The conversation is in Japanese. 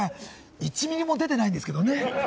１ミリも出てないですけどね。